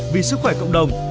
vì sức khỏe cộng đồng